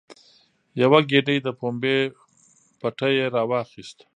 یوه ګېډۍ د پمبې پټی یې راواخیست.